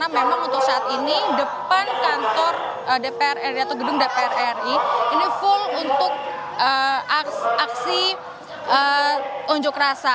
memang untuk saat ini depan kantor dpr ri atau gedung dpr ri ini full untuk aksi unjuk rasa